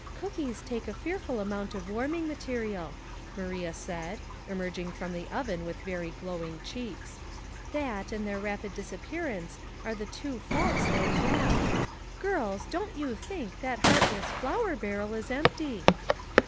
" Cookies take a fearful amount of warming material," Maria said, emerging from the oven with very glowing cheeks. *' That and their rapid disappearance are the *^^o faults they have. Girls, don't you think that heartless flour barrel is empty